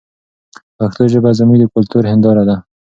پښتو ژبه زموږ د کلتور هنداره ده.